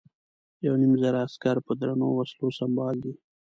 یو نیم زره عسکر په درنو وسلو سمبال دي.